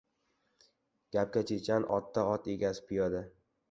• Gapga chechan otda, ot egasi piyoda.